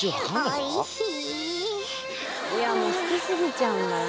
いやもう好きすぎちゃうんだなあ。